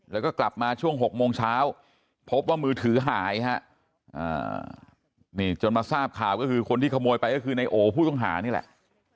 แล้วก็กลับมาช่วง๖โมงเช้าพบว่ามือถือหายฮะนี่จนมาทราบข่าวก็คือคนที่ขโมยไปก็คือในโอผู้ต้องหานี่แหละ